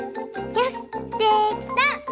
よしできた！